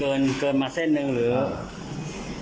พี่ยืดลายมาพอก็ถูกแล้วก็ถูกแล้วก็ถูก